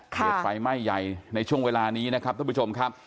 เหตุไฟไหม้ใหญ่ในช่วงเวลานี้นะครับท่านผู้ชมครับ